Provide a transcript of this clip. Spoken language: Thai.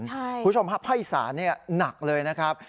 คุณผู้ชมภาคอิสานนี่หนักเลยนะครับ